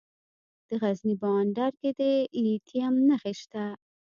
د غزني په اندړ کې د لیتیم نښې شته.